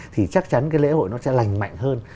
thì chắc chắn cái lễ hội nó sẽ lành mạnh hơn